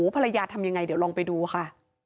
ภรรยาทำยังไงเดี๋ยวลองไปดูค่ะ